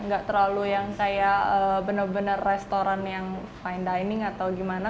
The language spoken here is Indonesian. gak terlalu yang kayak bener bener restoran yang fine dining atau gimana